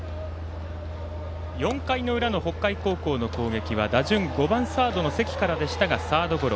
４回の裏の北海高校の攻撃は打順５番サードの関からでしたがサードゴロ。